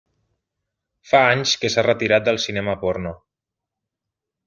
Fa anys que s'ha retirat del cinema porno.